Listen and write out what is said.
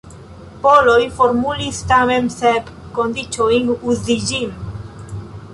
Poloj formulis tamen sep kondiĉojn uzi ĝin.